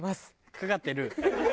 かかってる？